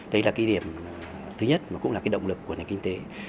đấy là cái điểm thứ nhất mà cũng là cái động lực của nền kinh tế